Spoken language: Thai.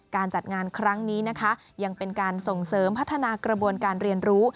การจัดงานครั้งนี้นะคะยังเป็นการส่งเสริมพัฒนากระบวนการเรียนรู้